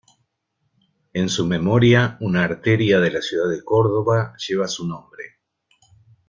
En su memoria, una arteria de la ciudad de Córdoba lleva su nombre.